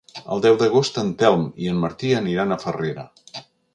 El deu d'agost en Telm i en Martí aniran a Farrera.